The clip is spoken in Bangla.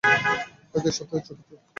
হয়তো এই সপ্তাহের ছুটিতে।